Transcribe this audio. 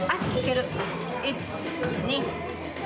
１２３